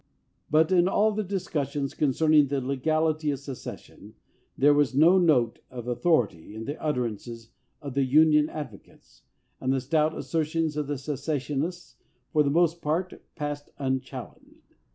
But in all the discussions concerning the legality of secession there was no note of authority in the utterances of the Union advo cates, and the stout assertions of the secessionists for the most part passed unchallenged.